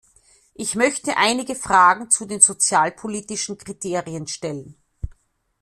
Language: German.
Ich möchte einige Fragen zu den sozialpolitischen Kriterien stellen.